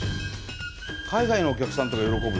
海外のお客さんとか喜ぶよね。